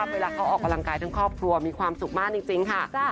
เวลาเขาออกกำลังกายทั้งครอบครัวมีความสุขมากจริงค่ะ